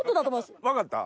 分かった？